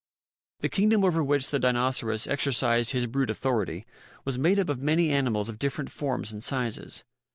The kingdom over which the Dinoceras exercised his brute authority was made up of many animals of different forms and sizes.